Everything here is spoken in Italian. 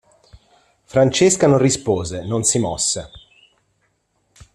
Francesca non rispose, non si mosse.